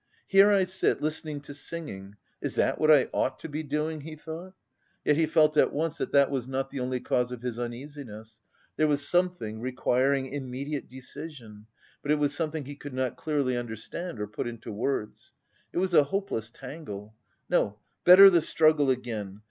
"Here I sit listening to singing, is that what I ought to be doing?" he thought. Yet he felt at once that that was not the only cause of his uneasiness; there was something requiring immediate decision, but it was something he could not clearly understand or put into words. It was a hopeless tangle. "No, better the struggle again!